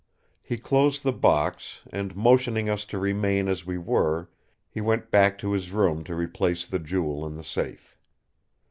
He closed the box, and motioning us to remain as we were, he went back to his room to replace the Jewel in the safe.